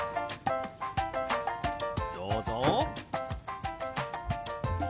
どうぞ！